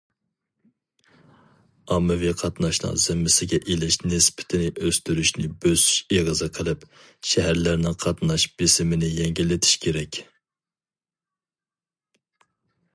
ئاممىۋى قاتناشنىڭ زىممىسىگە ئېلىش نىسبىتىنى ئۆستۈرۈشنى بۆسۈش ئېغىزى قىلىپ، شەھەرلەرنىڭ قاتناش بېسىمىنى يەڭگىللىتىش كېرەك.